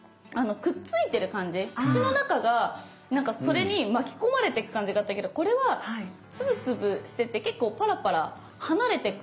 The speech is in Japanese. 口の中がなんかそれに巻き込まれてく感じだったけどこれは粒々してて結構パラパラ離れてく。